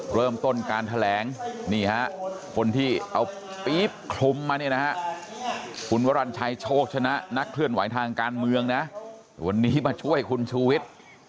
เริ่มต้นการแถลงนี่ฮะคนที่เอาปี๊บคลุมมาเนี่ยนะฮะคุณวรรณชัยโชคชนะนักเคลื่อนไหวทางการเมืองนะวันนี้มาช่วยคุณชูวิทย์